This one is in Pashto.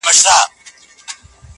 داسي حال په ژوند کي نه وو پر راغلی،